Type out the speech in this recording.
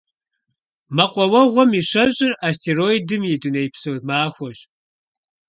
Мэкъуауэгъуэм и щэщIыр Астероидым и дунейпсо махуэщ.